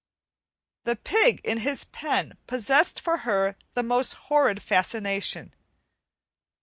The pig in his pen possessed for her the most horrid fascination.